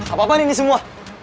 apa apaan ini semua